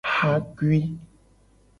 Xakui.